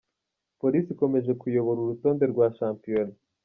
Police ikomeje kuyobora urutonde rwa Shampiyona